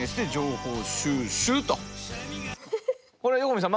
これ横見さん